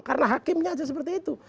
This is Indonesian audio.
karena hakimnya aja seperti itu